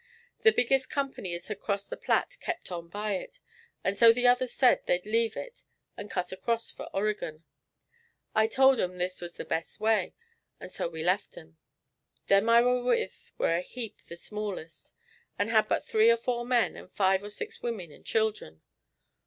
"The biggest company as had crossed the Platte, kept on by it, and so the others said they'd leave it and cut across fur Oregon. I tole 'em this war the best way, and so we left 'em. Them I war with war a heap the smallest, and had but three or four men and five or six women and children.